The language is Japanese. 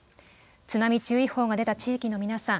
津波注意報が出た地域の皆さん